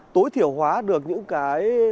tối thiểu hóa được những cái